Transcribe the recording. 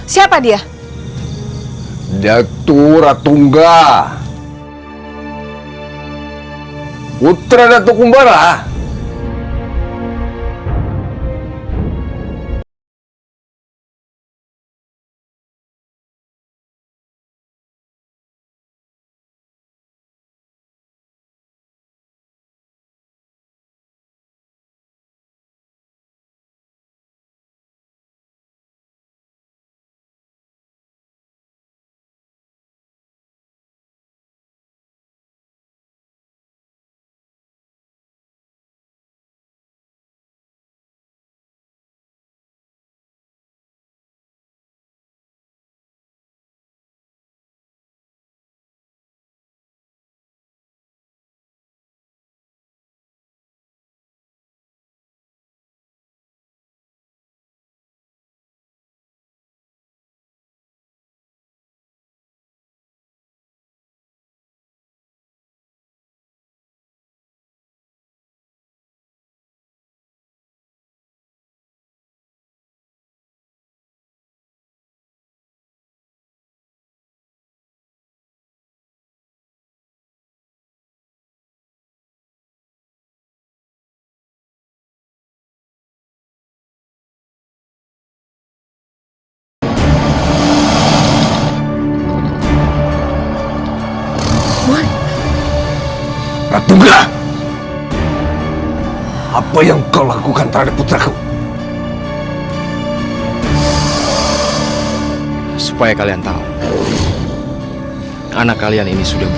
sekarang island itu adalah ilmu